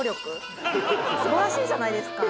素晴らしいじゃないですか！